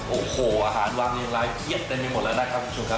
โอ้โหอาหารวางเรียงรายเพียบเต็มไปหมดแล้วนะครับคุณผู้ชมครับ